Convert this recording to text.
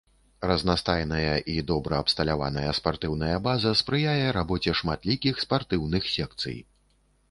Разнастайная і добра абсталяваная спартыўная база спрыяе рабоце шматлікіх спартыўных секцый.